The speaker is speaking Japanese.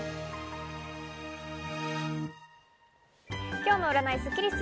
今日の占いスッキリす。